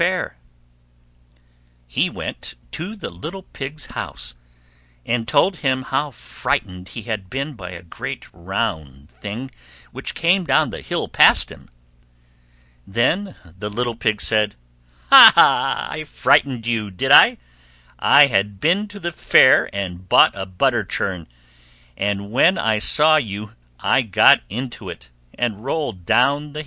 He went to the little Pig's house, and told him how frightened he had been by a great round thing which came down the hill past him. Then the little Pig said, "Hah! I frightened you, did I? I had been to the Fair and bought a butter churn, and when I saw you I got into it, and rolled down the hill."